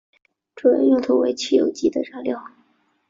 主要用途为汽油机的燃料。